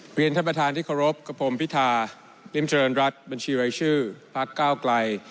เรียนท่านประธานที่เคารพกับผมพิธาริมเจริญรัฐบัญชีรายชื่อพักเก้าไกล